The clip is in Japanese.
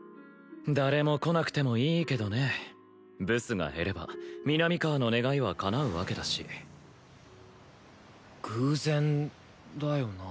誰も来なくてもいいけどねブスが減れば南河の願いはかなうわけだし偶然だよな